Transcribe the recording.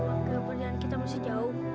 maka perlian kita masih jauh